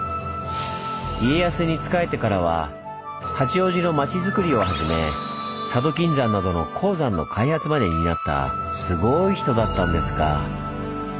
家康に仕えてからは八王子の町づくりをはじめ佐渡金山などの鉱山の開発まで担ったすごい人だったんですが。